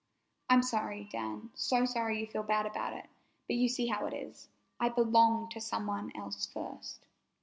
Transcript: I'm sorry, Dan, so sorry you feel bad about it, but you see how it is. I belonged to some one else first."